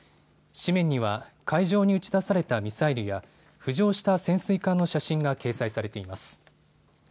紙面には海上に撃ち出されたミサイルや浮上した潜水艦の写真が掲載されています。